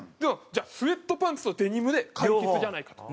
じゃあスウェットパンツとデニムで解決じゃないかと。